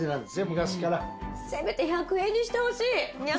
せめて１００円にしてほしい！